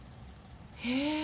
へえ。